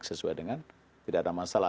sesuai dengan tidak ada masalah